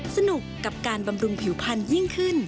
สนุกกับการบำรุงผิวพันธุยิ่งขึ้น